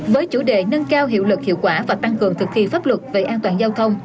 với chủ đề nâng cao hiệu lực hiệu quả và tăng cường thực thi pháp luật về an toàn giao thông